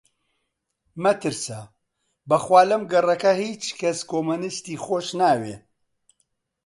مەترسە! بە خوا لەم گەڕەکە هیچ کەس کۆمۆنیستی خۆش ناوێ